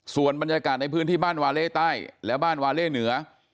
ส่วนบรรยากาศในพื้นที่บ้านวาเล่ใต้และบ้านวาเล่เหนือ